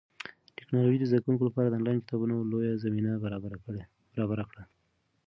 ټیکنالوژي د زده کوونکو لپاره د انلاین کتابتونونو لویه زمینه برابره کړه.